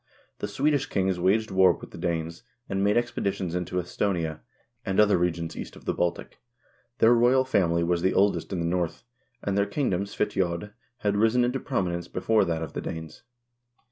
The Swed ish kings 2 waged war with the Danes, and made expeditions into Esthonia, and other regions east of the Baltic. Their royal family was the oldest in the North, and their kingdom, Svitiod, had risen into prominence before that of the Danes.